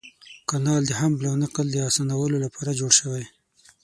کانال د حمل او نقل د اسانولو لپاره جوړ شوی.